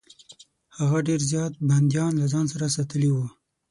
هغه ډېر زیات بندیان له ځان سره راوستلي وه.